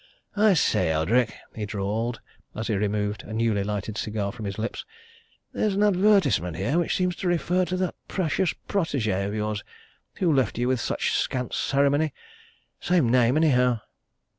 "I say, Eldrick," he drawled, as he removed a newly lighted cigar from his lips. "There's an advertisement here which seems to refer to that precious protégé of yours, who left you with such scant ceremony. Same name, anyhow!"